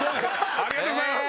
ありがとうございます。